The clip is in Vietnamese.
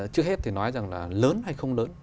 trước hết thì nói rằng là lớn hay không lớn